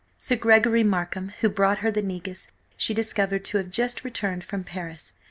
Sir Gregory Markham, who brought her the negus, she discovered to have just returned from Paris.